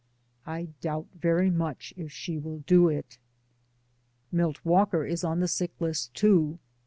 I doubt very much if she will doit. Milt Walker is on the sick list, too.